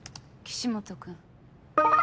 岸本君。